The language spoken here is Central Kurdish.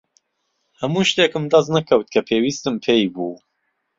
هەموو شتێکم دەست نەکەوت کە پێویستم پێی بوو.